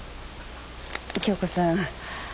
杏子さん